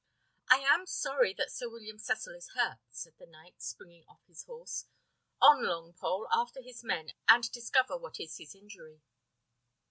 "I am sorry that Sir William Cecil is hurt," said the knight, springing off his horse: "On, Longpole, after his men, and discover what is his injury."